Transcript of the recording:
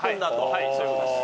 はいそういうことです。